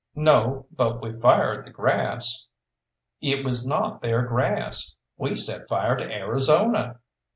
"No, but we fired the grass." "It was not their grass we set fire to Arizona."